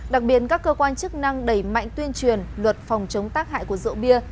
đặc biệt các cơ quan chức năng đẩy mạnh tuyên truyền luật phòng chống tác hại của rượu bia